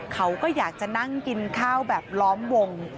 เขาก็อยากจะนั่งกินข้าวแบบล้อมวง